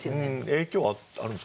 影響あるんですかね？